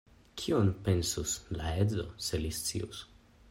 Kion pensus la edzo, se li scius?